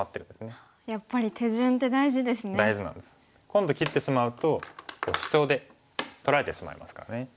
今度切ってしまうとシチョウで取られてしまいますからね。